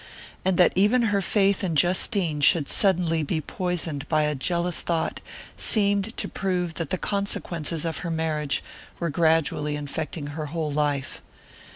And that even her faith in Justine should suddenly be poisoned by a jealous thought seemed to prove that the consequences of her marriage were gradually infecting her whole life.